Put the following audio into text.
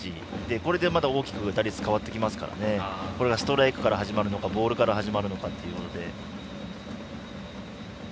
これでまた大きく打率が変わってきますからストライクで始まるのかボールで始まるのかというので。